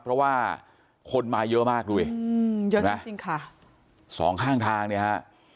เพราะว่าคนมาเยอะมากดูดิอืมเยอะจริงจริงค่ะสองข้างทางเนี่ยฮะ